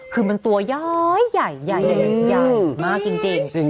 คือมันตัวย้อยใหญ่ใหญ่มากจริง